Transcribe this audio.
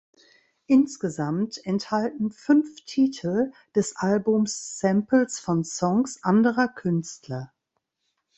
Insgesamt enthalten fünf Titel des Albums Samples von Songs anderer Künstler.